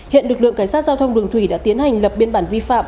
hiện lực lượng cảnh sát giao thông đường thủy đã tiến hành lập biên bản vi phạm